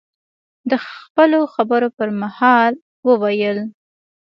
د خپلو خبرو په مهال، وویل: